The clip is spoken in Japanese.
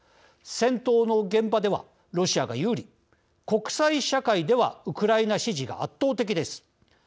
戦闘の現場ではロシアが有利国際社会ではウクライナ支持が圧倒的です。